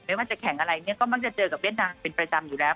ไม่ว่าจะแข่งอะไรเนี่ยก็มักจะเจอกับเวียดนามเป็นประจำอยู่แล้ว